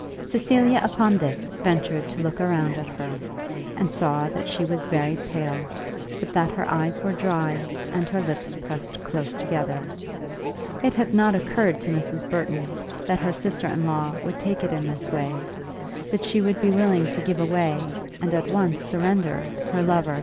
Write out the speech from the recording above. Cecilia upon this, ventured to look round at her, and saw that she was very pale, but that her eyes were dry and her lips pressed close together. It had not occurred to Mrs. Burton that her sister in law would take it in this way, that she would express herself as being willing to give way, and that she would at once surrender her lover to her rival.